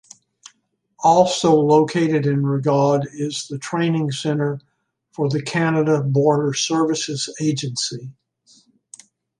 Also located in Rigaud is the training center for the Canada Border Services Agency.